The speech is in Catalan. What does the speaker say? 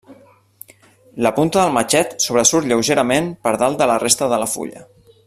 La punta del matxet sobresurt lleugerament per dalt de la resta de la fulla.